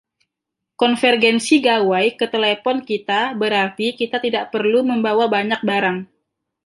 Konvergensi gawai ke telepon kita berarti kita tidak perlu membawa banyak barang.